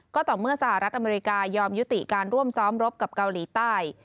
ก็ต่อเมื่อสหรัฐอเมริกายอมยุติการร่วมซ้อมรบกับเกาหลีใต้